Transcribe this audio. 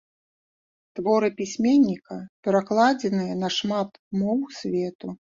Творы пісьменніка перакладзеныя на шмат моў свету.